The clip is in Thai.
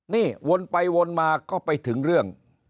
นี่วนไปวนมาก็ไปถึงเรื่อง